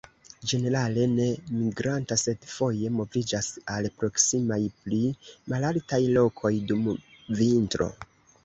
Ĝenerale ne migranta, sed foje moviĝas al proksimaj pli malaltaj lokoj dum vintro.